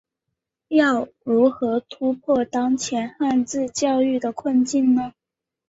要如何突破当前汉字教育的困境呢？